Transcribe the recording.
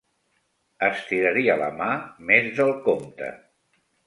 Estiraria la mà més del compte.